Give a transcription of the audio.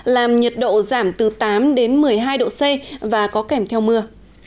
làm nhiệt độ giảm từ tám đến một mươi hai độ c và có kèm theo mưa